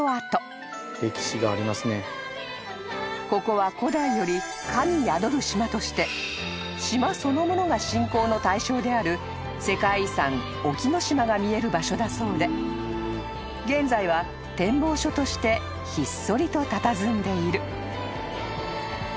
［ここは古代より神宿る島として島そのものが信仰の対象である世界遺産沖ノ島が見える場所だそうで現在は展望所としてひっそりとたたずんでいる］